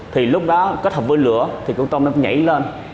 thì lúc đó kết hợp với lửa thì con tôm nó nhảy lên